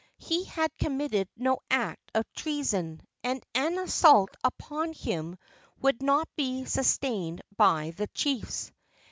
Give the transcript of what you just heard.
He had committed no act of treason, and an assault upon him would not be sustained by the chiefs.